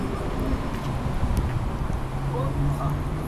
不少韩国电影界人士质疑检控是出于政治报复。